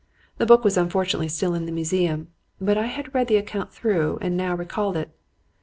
The book was unfortunately still in the museum, but I had read the account through, and now recalled it.